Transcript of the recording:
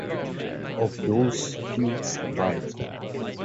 Of those, few survived.